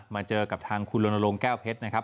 เจอกับทางคุณลนลงแก้วเพชรนะครับ